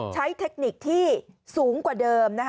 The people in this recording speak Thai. เทคนิคที่สูงกว่าเดิม